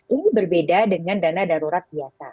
ini berbeda dengan dana darurat biasa